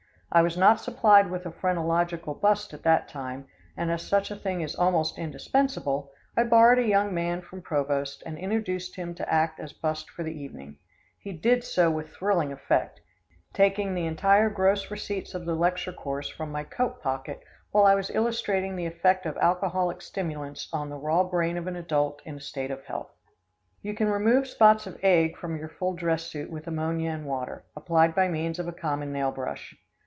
I was not supplied with a phrenological bust at that time, and as such a thing is almost indispensable, I borrowed a young man from Provost and induced him to act as bust for the evening. He did so with thrilling effect, taking the entire gross receipts of the lecture course from my coat pocket while I was illustrating the effect of alcoholic stimulants on the raw brain of an adult in a state of health. [Illustration: MAKING REPAIRS.] You can remove spots of egg from your full dress suit with ammonia and water, applied by means of a common nail brush.